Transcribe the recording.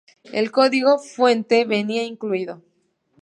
El código fuente venía incluido.